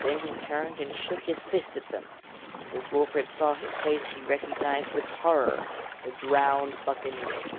Then he turned and shook his fist at them, and as Wolfert saw his face he recognised with horror the drowned buccaneer.